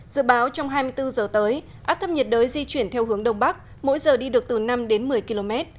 dự báo trong hai mươi bốn giờ tới áp thấp nhiệt đới di chuyển theo hướng đông bắc mỗi giờ đi được từ năm đến một mươi km